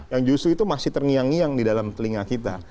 yang justru itu masih terngiang ngiang di dalam telinga kita